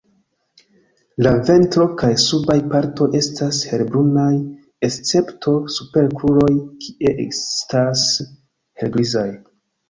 La ventro kaj subaj partoj estas helbrunaj, escepto super kruroj kie estas helgrizaj.